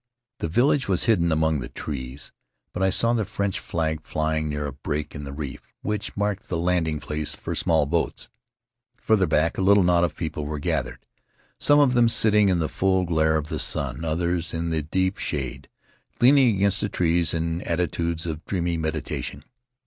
The village was hidden among the trees, but I saw the French flag flying near a break in the reef which marked the landing place for small boats. Farther back, a little knot of people were gathered, some of them sitting in the full glare of the sun, others in the deep shade, leaning against the trees in attitudes of dreamy meditation.